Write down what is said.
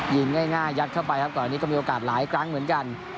ง่ายยัดเข้าไปครับก่อนอันนี้ก็มีโอกาสหลายครั้งเหมือนกัน